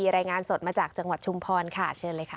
รายงานสดมาจากจังหวัดชุมพรค่ะเชิญเลยค่ะ